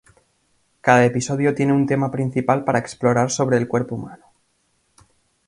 Cada episodio tiene un tema principal para explorar sobre el cuerpo humano.